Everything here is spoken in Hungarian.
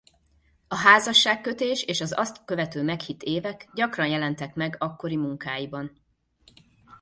A házasságkötés és az azt követő meghitt évek gyakran jelentek meg akkori munkáiban.